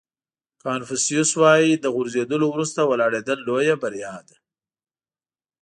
کانفیوسیس وایي له غورځېدلو وروسته ولاړېدل لویه بریا ده.